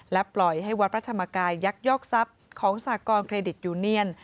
ปล่อยให้วัดพระธรรมกายยักยอกทรัพย์ของสากรเครดิตยูเนียน